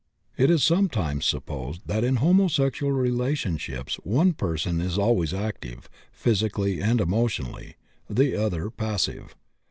It is sometimes supposed that in homosexual relationships one person is always active, physically and emotionally, the other passive.